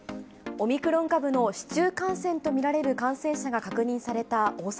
オミクロン株の市中感染と見られる感染者が確認された大阪。